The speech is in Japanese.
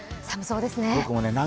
寒そうですね。